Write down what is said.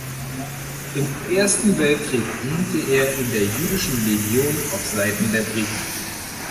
Im Ersten Weltkrieg diente er in der Jüdischen Legion auf Seiten der Briten.